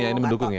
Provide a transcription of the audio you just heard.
oh mendukung ya